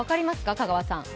香川さん。